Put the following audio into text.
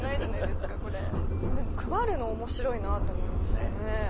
でも配るの面白いなと思いましたね。